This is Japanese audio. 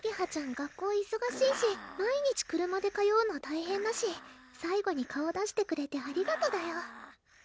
学校いそがしいし毎日車で通うの大変だし最後に顔出してくれてありがとだよ